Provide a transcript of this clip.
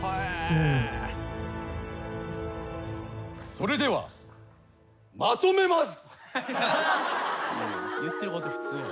それではまとめます。